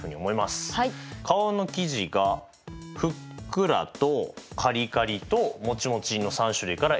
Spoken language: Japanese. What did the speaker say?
皮の生地がふっくらとカリカリともちもちの３種類から選べる。